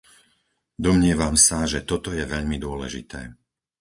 Domnievam sa, že toto je veľmi dôležité.